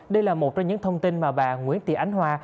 đây là một trong những thông tin mà bà nguyễn tị ánh hoa